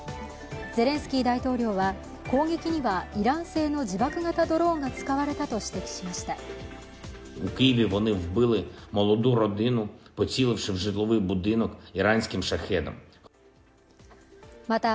ゼレンスキー大統領は攻撃にはイラン製の自爆型ドローンが使われたと指摘しました。